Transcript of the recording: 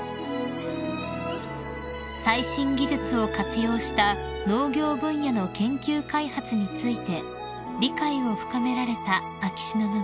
［最新技術を活用した農業分野の研究開発について理解を深められた秋篠宮さまです］